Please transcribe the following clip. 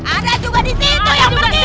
ada juga disitu yang pergi